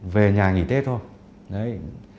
về nhà nghỉ tết thôi